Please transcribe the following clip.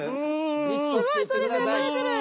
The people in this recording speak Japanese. すごい取れてる取れてる。